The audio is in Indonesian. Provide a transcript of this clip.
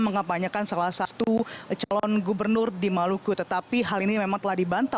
mengapanyakan salah satu calon gubernur di maluku tetapi hal ini memang telah dibantah